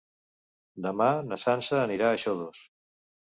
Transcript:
Demà na Sança anirà a Xodos.